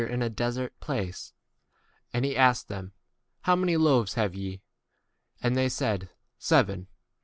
In 5 And he asked them, How many loaves have ye? And they said, 6 Seven.